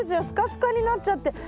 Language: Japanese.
スカスカになっちゃって。